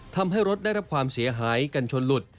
ทำให้รถได้รับความเสียหายกันชนหลุด